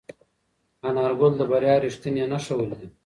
انارګل د بریا رښتینې نښه ولیده.